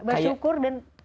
kaya bersyukur dan